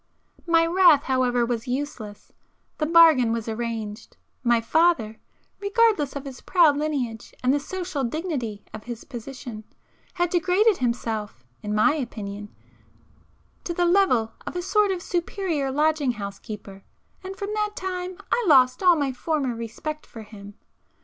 My wrath however was useless;—the bargain was arranged,—my father, regardless of his proud lineage and the social dignity of his position, had degraded himself, in my opinion, to the level of a sort of superior lodging house keeper,—and from that time I lost all my former respect for him.